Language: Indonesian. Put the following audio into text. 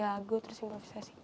terus lagu terus improvisasi